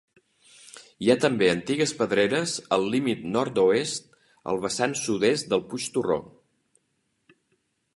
Hi ha també antigues pedreres al límit nord-oest al vessant sud-est del Puig Torró.